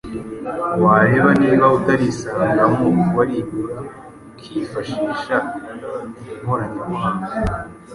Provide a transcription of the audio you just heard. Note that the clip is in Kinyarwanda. wareba niba utarisangamo, waribura ukifashisha inkoranyamagambo.